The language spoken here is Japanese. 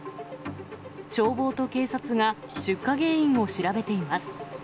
消防と警察が出火原因を調べています。